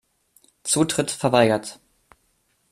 Zutritt verweigert.